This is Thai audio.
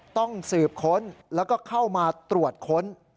ต้องสืบค้นแล้วก็เข้ามาตรวจค้น